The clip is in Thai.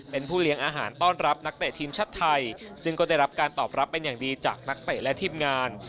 เป็นผู้เลี้ยงอาหารต้อนรับนักเตะทีมชาติไทยซึ่งก็ได้รับการตอบรับเป็นอย่างดีจากนักเตะและทีมงาน